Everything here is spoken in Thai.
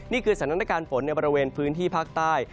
นี่คือสถานการณ์ฝนในบริเวณพื้นที่ภาคใต้